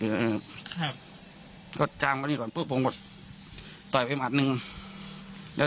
อืมครับก็จางมานี่ก่อนปุ๊บผมหมดต่อยไปหมัดหนึ่งแล้ว